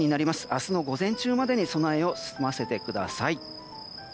明日の午前中までに備えてください。